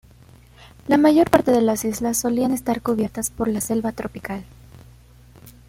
La mayor parte de las islas solían estar cubiertas por la selva tropical.